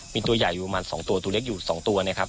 มีตัวใหญ่อยู่ประมาณ๒ตัวตัวเล็กอยู่๒ตัวนะครับ